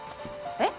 えっ？